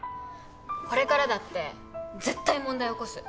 これからだって絶対問題起こす。